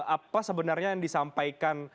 apa sebenarnya yang disampaikan